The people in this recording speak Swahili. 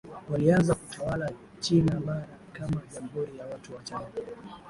Walianza kutawala China Bara kama Jamhuri ya Watu wa China